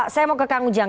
saya mau ke kang ujang